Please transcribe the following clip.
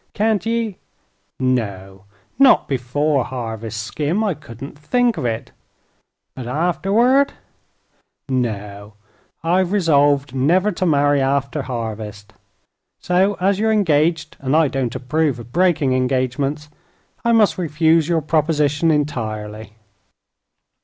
"Can't ye " "No; not before harvest, Skim. I couldn't think of it." "But arterward " "No; I've resolved never to marry after harvest. So, as you're engaged, and I don't approve of breaking engagements, I must refuse your proposition entirely."